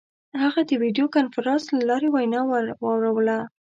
هغه د ویډیو کنفرانس له لارې وینا واوروله.